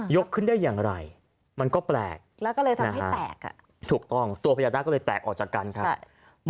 ขึ้นได้อย่างไรมันก็แปลกแล้วก็เลยทำให้แตกอ่ะถูกต้องตัวพญานาคก็เลยแตกออกจากกันครับ